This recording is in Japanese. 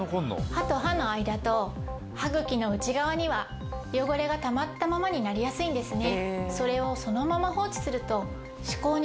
歯と歯の間と歯茎の内側には汚れがたまったままになりやすいんですね。